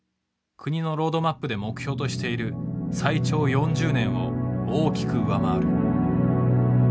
国のロードマップで目標としている最長４０年を大きく上回る。